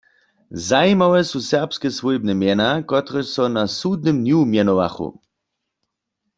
Zajimawe su serbske swójbne mjena, kotrež so na sudnym dnju mjenowachu.